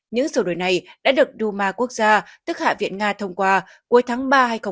những sửa đổi này đã được duma quốc gia tức hạ viện nga thông qua cuối tháng ba hai nghìn hai mươi